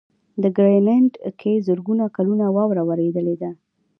په ګرینلنډ کې زرګونه کلونه واوره ورېدلې ده.